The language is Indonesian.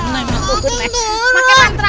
pakai mantra pakai mantra